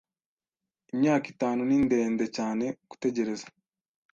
Imyaka itanu ni ndende cyane gutegereza.